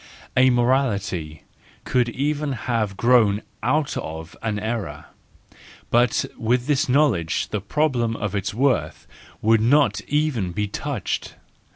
A morality could even have grown out of an error: but with this knowledge the problem of its worth would not even be touched.